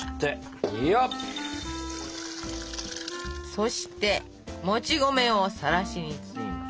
そしてもち米をさらしに包みます。